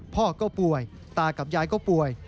พ่อก็ป่วยตากับยายก็ป่วย